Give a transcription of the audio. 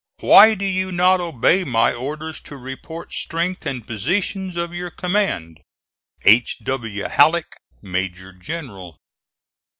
Why do you not obey my orders to report strength and positions of your command? H. W. HALLECK, Major General.